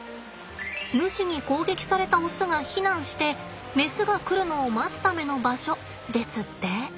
ヌシに攻撃されたオスが避難してメスが来るのを待つための場所ですって。